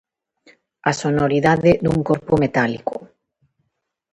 A sonoridade dun corpo metálico.